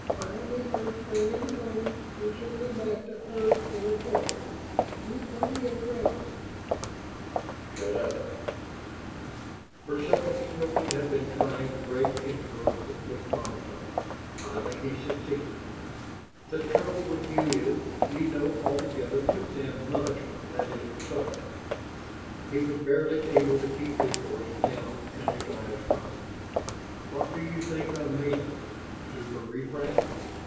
Fire me first thing in the morning and send me back to Earth in a torp. You've plenty of grounds ..." "Shut up." For seconds Hilton had been trying to break into her hopeless monotone; finally he succeeded. "The trouble with you is, you know altogether too damned much that isn't so." He was barely able to keep his voice down and his eyes front. "What do you think I'm made of superefract?